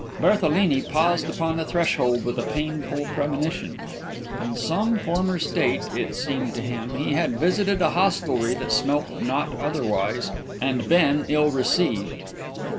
Berthelini paused upon the threshold with a painful premonition. In some former state, it seemed to him, he had visited a hostelry that smelt not otherwise, and been ill received.